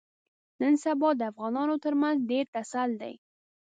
نن سبا د افغانانو ترمنځ ډېر ټسل دی.